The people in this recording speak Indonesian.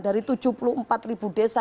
dari tujuh puluh empat ribu desa